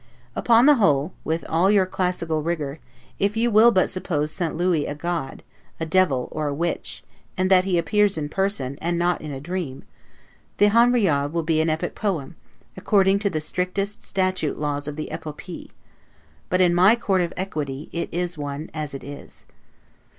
Upon the whole, with all your classical rigor, if you will but suppose St. Louis a god, a devil, or a witch, and that he appears in person, and not in a dream, the Henriade will be an epic poem, according to the strictest statute laws of the 'epopee'; but in my court of equity it is one as it is.